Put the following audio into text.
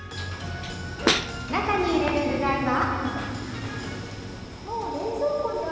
中に入れる具材は。